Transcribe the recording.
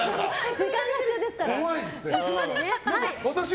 時間が必要ですから。